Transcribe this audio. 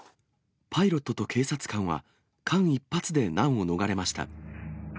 パイロットと警察官は、間一髪で難を逃れました。